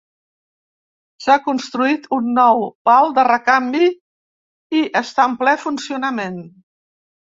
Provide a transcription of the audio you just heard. S'ha construït un nou pal de recanvi i està en ple funcionament.